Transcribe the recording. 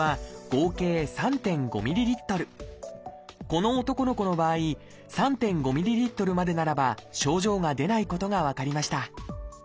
この男の子の場合３．５ｍＬまでならば症状が出ないことが分かりました。